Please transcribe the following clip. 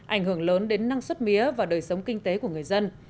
ảnh hưởng lớn đến năng suất mía và đời sống kinh tế của người dân